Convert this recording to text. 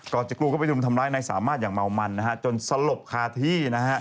ก่อนจะกลัวไปรุ่นทำร้ายนายสามารถอย่างเหมามันจนสลบคาธิ